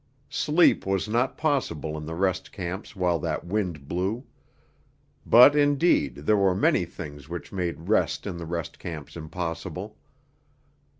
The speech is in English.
Sleep was not possible in the rest camps while that wind blew. But indeed there were many things which made rest in the rest camps impossible.